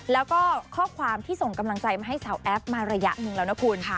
แล้วก็ข้อความที่ส่งกำลังใจมาให้สาวแอฟมาระยะหนึ่งแล้วนะคุณ